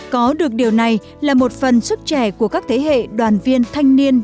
có được điều này là một phần sức trẻ của các thế hệ đoàn viên thanh niên